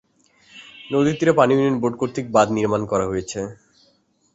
নদীর তীরে পানি উন্নয়ন বোর্ড কর্তৃক বাধ নির্মাণ করা হয়েছে।